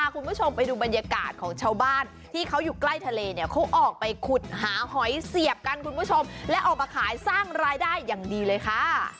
คุณผู้ชมไปดูบรรยากาศของชาวบ้านที่เขาอยู่ใกล้ทะเลเนี่ยเขาออกไปขุดหาหอยเสียบกันคุณผู้ชมและออกมาขายสร้างรายได้อย่างดีเลยค่ะ